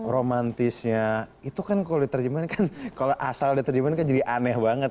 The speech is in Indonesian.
romantisnya itu kan kalau diterjemahkan kalau asal diterjemahkan jadi aneh banget